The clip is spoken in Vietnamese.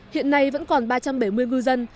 hiện nay vẫn còn ba trăm bảy mươi ngư dân